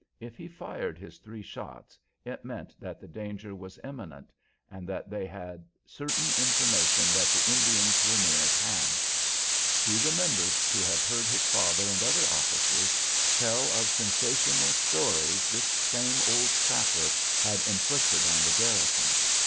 If he fired his three shots, it meant that the danger was imminent, and that they had certain information that the Indians were near at hand. He remembered to have heard his father and other officers tell of sensational stories this same old trapper had inflicted on the garrison.